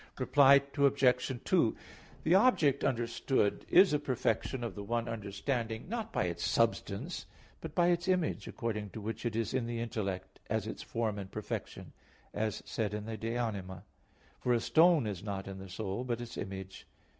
Reply Obj. 2: The object understood is a perfection of the one understanding not by its substance, but by its image, according to which it is in the intellect, as its form and perfection, as is said in De Anima iii. For "a stone is not in the soul, but its image."